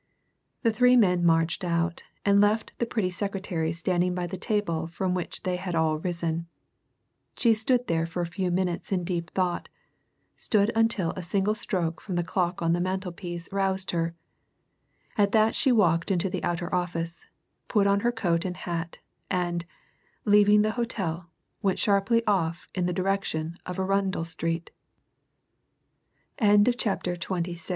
The three men marched out, and left the pretty secretary standing by the table from which they had all risen. She stood there for a few minutes in deep thought stood until a single stroke from the clock on the mantelpiece roused her. At that she walked into the outer office, put on her coat and hat, and, leaving the hotel, went sharply off in the direction of Arundel Street. CHAPTER XXVII THE MILLIONAIRE, THE STRANGER, AND THE PRINCESS As the three men threaded th